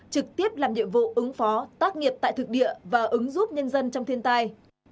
trực tiếp làm nhiệm vụ ứng phó tác nghiệp tại thực địa và ứng giúp nhân dân trong thiên tai